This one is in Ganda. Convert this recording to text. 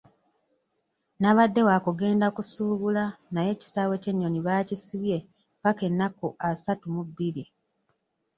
Nabadde wa kugenda kusuubula naye ekisaawe ky'ennyoni baakisibye ppaka ennaku asatu mu bbiri.